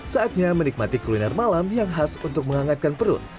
saatnya menikmati kuliner malam yang khas untuk menghangatkan perut